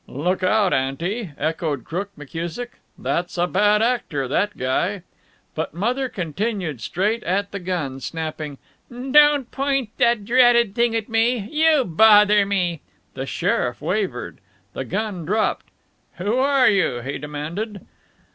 "Look out, aunty!" echoed Crook McKusick. "That's a bad actor, that guy." But Mother continued straight at the gun, snapping: "Don't point that dratted thing at me. You bother me." The sheriff wavered. The gun dropped. "Who are you?" he demanded.